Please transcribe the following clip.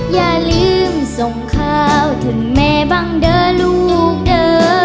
อย่าลืมส่งข้าวถึงแม่บ้างเด้อลูกเด้อ